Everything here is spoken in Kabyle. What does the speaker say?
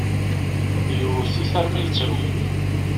Yewwet-it armi i yettru.